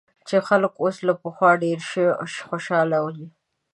چې خلک اوس له پخوا ډېر خوشاله وي